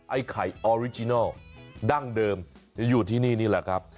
ไอ้ไข่ออริจินัลดั้งเดิมจะอยู่ที่นี่นี่แหละครับ